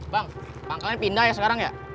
bang pangkalnya pindah ya sekarang ya